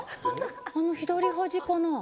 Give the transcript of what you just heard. あの左端かな？